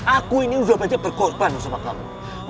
aku ini uzzah panjang berkorban sama kamu